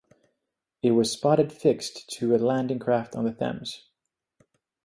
It was spotted fixed to a landing craft on the Thames.